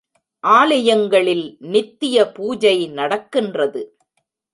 ஆலயங்களில் நித்திய பூஜை நடக்கின்றது.